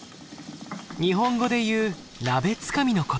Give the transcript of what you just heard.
日本語で言う鍋つかみのこと。